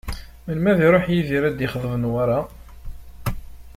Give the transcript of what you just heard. Melmi ara iruḥ Yidir ad d-ixḍeb Newwara?